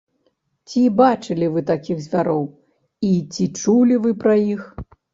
Ці бачылі вы такіх звяроў і ці чулі вы пра іх?